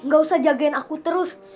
gak usah jagain aku terus